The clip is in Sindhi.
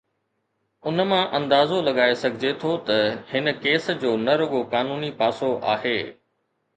ان مان اندازو لڳائي سگهجي ٿو ته هن ڪيس جو نه رڳو قانوني پاسو آهي.